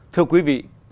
thưa quý vị